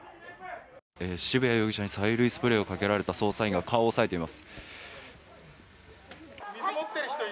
渋谷容疑者に催涙スプレーをかけられた捜査員が顔を押さえています。